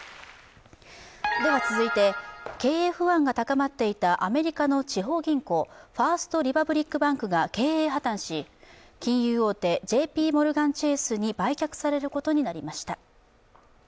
では続いて、経営不安が高まっていたアメリカの地方銀行ファースト・リパブリック・バンクが経営破綻し、金融大手ＪＰモルガン・チェースに売却されることになりました。